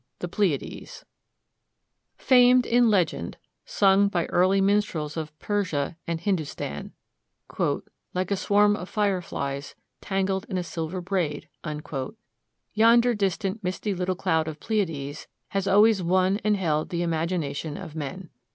THE PLEIADES Famed in legend; sung by early minstrels of Persia and Hindustan; " like a swarm of fire flies tangled in a silver braid"; yonder distant misty little cloud of Pleiades has always won and held the imagination of men.